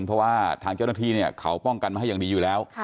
เพราะว่าทางเจ้าหน้าที่เนี่ยเขาป้องกันมาให้อย่างดีอยู่แล้ว